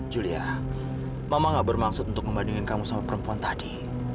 julia mama gak bermaksud untuk membandingkan kamu sama perempuan tadi